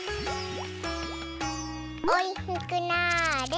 おいしくなあれ。